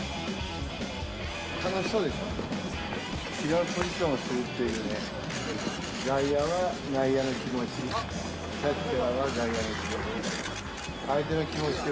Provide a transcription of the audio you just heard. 楽しそうでしょ。